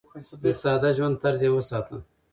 د ساده ژوند طرز يې وساته.